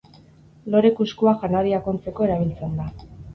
Lore-kuskua janariak ontzeko erabiltzen da.